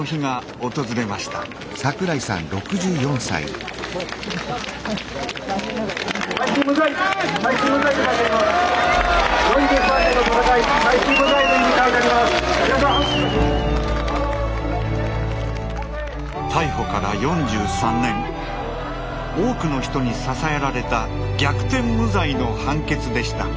多くの人に支えられた逆転無罪の判決でした。